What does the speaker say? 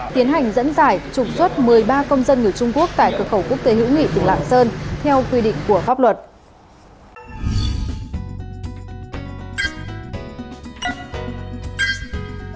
tiến hành dẫn giải trục xuất một mươi ba công dân người trung quốc tại cửa khẩu quốc tế hữu nghị tỉnh lạng sơn theo quy định của pháp luật